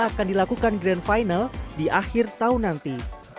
akan dilakukan grand final di akhir tahun nanti